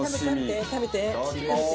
食べて食べて。